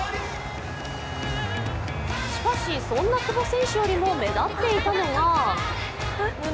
しかし、そんな久保選手よりも目立っていたのがむむむ？